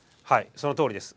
そのとおりです。